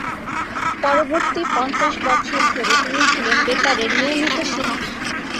পরবর্তী পঞ্চাশ বৎসর ধরে তিনি ছিলেন বেতারের নিয়মিত শিল্পী।